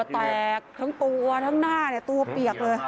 ทั้งตัวทั้งหน้าเนี่ยตัวเปียกเลย